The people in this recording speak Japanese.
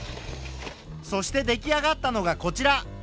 そして出来上がったのがこちら。